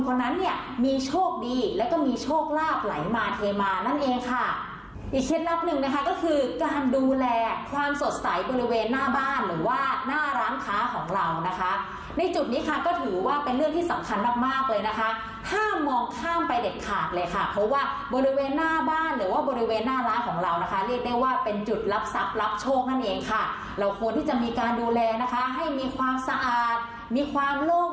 ของหนึ่งนะคะก็คือการดูแลความสดใสบริเวณหน้าบ้านหรือว่าหน้าร้านค้าของเรานะคะในจุดนี้ค่ะก็ถือว่าเป็นเรื่องที่สำคัญมากเลยนะคะถ้ามองข้ามไปเด็ดขาดเลยค่ะเพราะว่าบริเวณหน้าบ้านหรือว่าบริเวณหน้าร้านของเรานะคะเรียกได้ว่าเป็นจุดรับทรัพย์รับโชคนั่นเองค่ะเราควรที่จะมีการดูแลนะคะให้มีความสะอาดมีความโล